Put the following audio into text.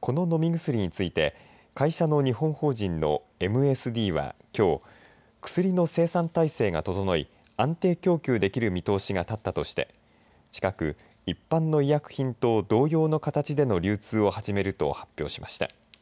この飲み薬について会社の日本法人のＭＳＤは、きょう薬の生産体制が整い安定供給できる見通しが立ったとして近く、一般の医薬品と同様の形での流通を始めると発表しました。